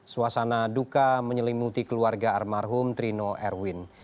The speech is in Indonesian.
suasana duka menyelimuti keluarga almarhum trino erwin